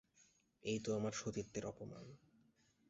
এই তো আমার সতীত্বের অপমান।